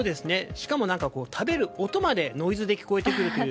しかも、食べる音までノイズで聞こえてくるという。